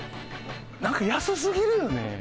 なんか安すぎるよね。